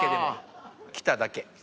来ただけ。